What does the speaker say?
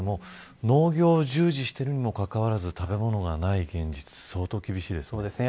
農業に従事しているにもかかわらず食べ物がない現実は相当、厳しいですね。